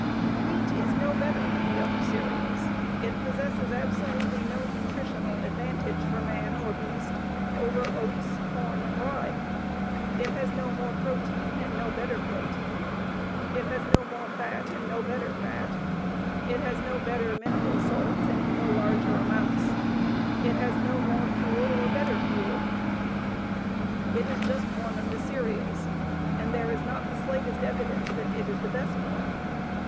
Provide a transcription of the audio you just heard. Wheat is no better than any of the other cereals. It possesses absolutely no nutritional advantage for man or beast over oats, corn, and rye. It has no more protein, and no better protein. It has no more fat and no better fat. It has no better mineral salts and in no larger amounts. It has no more fuel or better fuel. It is just one of the cereals, and there is not the slightest evidence that it is the best one.